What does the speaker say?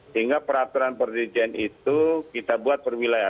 sehingga peraturan perdirijen itu kita buat perwilaya